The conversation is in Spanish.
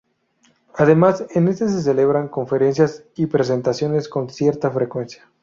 Además en este se celebran conferencias y presentaciones con cierta frecuencia.